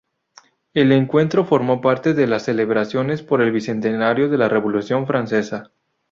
El encuentro formó parte de las celebraciones por el Bicentenario de la Revolución francesa.